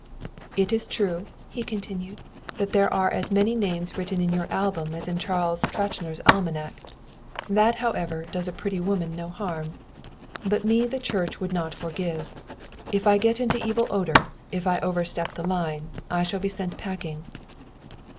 "'It is true,' he continued, 'that there are as many names written in your album as in Charles Trattner's almanack. That, however, does a pretty woman no harm. But me the Church would not forgive. If I get into evil odour, if I overstep the line, I shall be sent packing.'